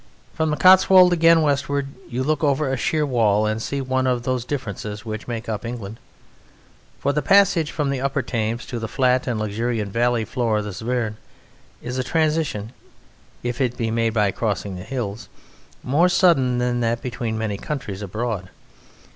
From the Cotswold again westward you look over a sheer wall and see one of those differences which make up England. For the passage from the Upper Thames to the flat and luxuriant valley floor of the Severn is a transition (if it be made by crossing the hills) more sudden than that between many countries abroad.